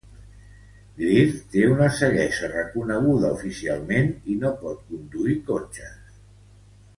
Greer té una ceguesa reconeguda oficialment i no pot conduir cotxes.